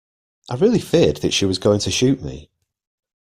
I really feared that she was going to shoot me.